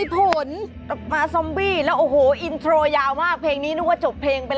แต่ที่ฟังค่อนร้องเขามันจบเหลือ